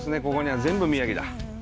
ここには全部宮城だ。